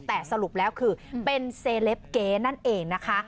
แต่สรุปแล้วคือเป็นเซเลปเก๋นั่นเองนะคะ